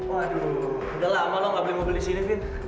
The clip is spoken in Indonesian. waduh udah lama loh nggak beli mobil di sini nih